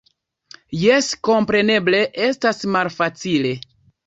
Jes, kompreneble estas malfacile.